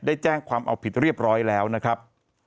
ได้แจ้งความเอาผิดเรียบร้อยแล้วนะครับ